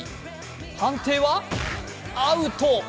判定は、アウト。